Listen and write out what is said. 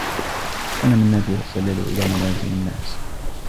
كان منّاد يتسلّل إلى منازل النّاس.